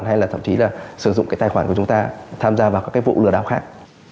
hay là thậm chí là sử dụng cái tài khoản của chúng ta tham gia vào các cái vụ lừa đảo khác